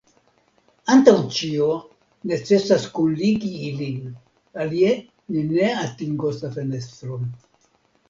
Antaŭ ĉio necesas kunligi ilin, alie ni ne atingos la fenestron.